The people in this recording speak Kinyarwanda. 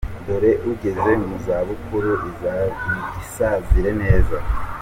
Dore ugeze mu za bukuru isazire neza.